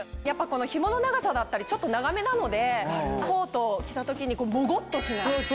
ひもの長さだったりちょっと長めなのでコートを着た時にボゴっとしない。